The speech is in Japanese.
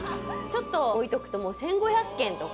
ちょっと置いとくと１５００件とか。